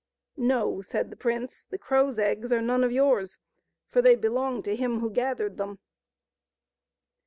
" No," said the prince, " the crow's eggs are none of yours, for they belong to him who gathered them."